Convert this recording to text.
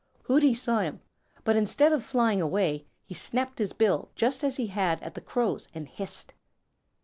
Hooty saw him, but instead of flying away, he snapped his bill just as he had at the Crows and hissed.